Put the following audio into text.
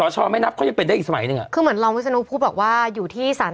จะหนูต้องเป็นอีกสมัยหนึ่ง